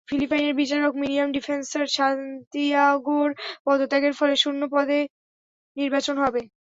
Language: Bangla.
ফিলিপাইনের বিচারক মিরিয়াম ডিফেন্সর সান্তিয়াগোর পদত্যাগের ফলে শূন্য পদে নির্বাচন হবে।